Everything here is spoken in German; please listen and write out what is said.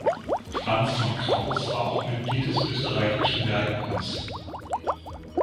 Franz von Krauß war auch Mitglied des österreichischen Werkbunds.